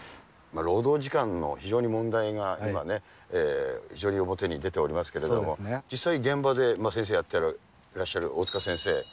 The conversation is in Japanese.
労働時間の、非常に問題が、今ね、非常に表に出ておりますけれども、実際、現場で先生やってらっしゃる大塚先生。